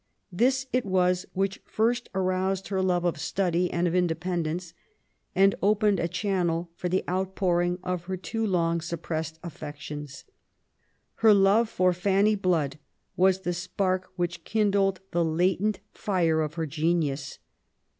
This it was which first aroused her love of study and of independence, and opened a channel for the outpouring of her too long suppressed afifections. Her love for Fanny Blood was the spark which kindled the latent fire of her genius.